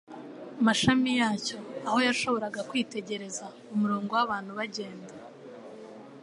mashami yacyo, aho yashoboraga kwitegereza umurongo w'abantu bagenda.